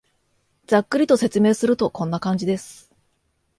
ざっくりと説明すると、こんな感じです